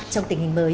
trong tình hình mới